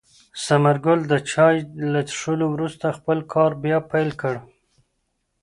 ثمر ګل د چای له څښلو وروسته خپل کار بیا پیل کړ.